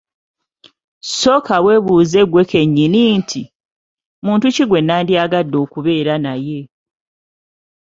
Sooka weebuuze ggwe kennyini nti, “muntu ki gwe nandyagadde okubeera naye?